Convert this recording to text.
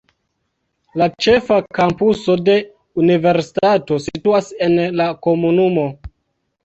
La ĉefa kampuso de universitato situas en la komunumo.